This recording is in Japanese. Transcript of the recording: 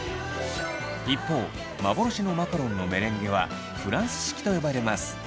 一方幻のマカロンのメレンゲはフランス式と呼ばれます。